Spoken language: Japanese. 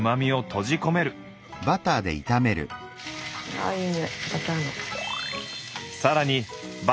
ああいいにおいバターの。